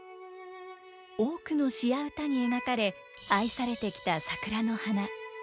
多くの詩や歌に描かれ愛されてきた桜の花。